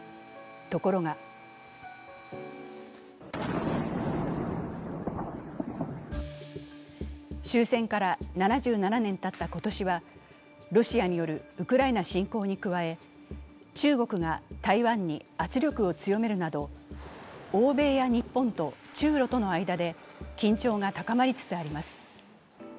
ところが終戦から７７年たった今年はロシアによるウクライナ侵攻に加え中国が台湾に圧力を強めるなど、欧米と日本と中ロとの間で緊張が高まりつつあります。